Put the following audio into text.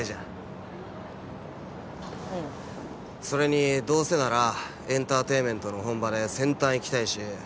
それにどうせならエンターテインメントの本場で先端いきたいし。